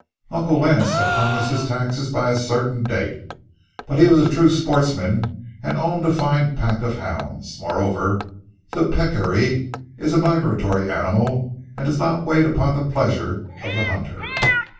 Uncle Lance had promised his taxes by a certain date, but he was a true sportsman and owned a fine pack of hounds; moreover, the peccary is a migratory animal and does not wait upon the pleasure of the hunter.